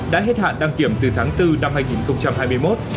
đã hết hạn đăng kiểm từ tháng bốn năm hai nghìn hai mươi một